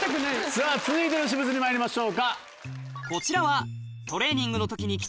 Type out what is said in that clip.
さぁ続いての私物にまいりましょうか。